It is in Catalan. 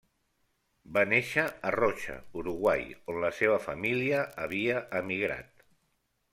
Va néixer a Rocha, Uruguai, on la seva família havia emigrat.